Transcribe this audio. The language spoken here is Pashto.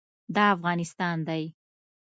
دا افغانستان دی.